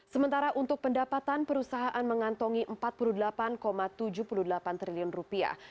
sementara untuk pendapatan perusahaan mengantongi empat puluh delapan tujuh puluh delapan triliun rupiah